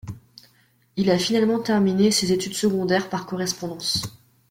Il a finalement terminé ses études secondaires par correspondance.